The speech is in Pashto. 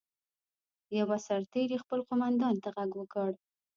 یوه سرتېري خپل قوماندان ته غږ وکړ.